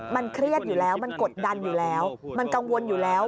มันเครียดอยู่แล้วมันกดดันอยู่แล้วมันกังวลอยู่แล้ว